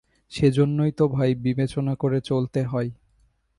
সেইজন্যই তো ভাই, বিবেচনা করে চলতে হয়।